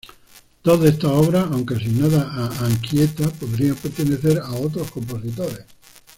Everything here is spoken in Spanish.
Dos de estas obras, aunque asignadas a Anchieta, podrían pertenecer a otros compositores.